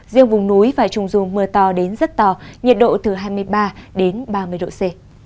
riêng vùng núi và trung du mưa to đến rất to nhiệt độ từ hai mươi ba đến ba mươi độ c